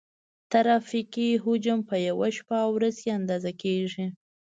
ترافیکي حجم په یوه شپه او ورځ کې اندازه کیږي